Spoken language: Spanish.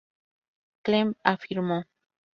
Klemm afirmó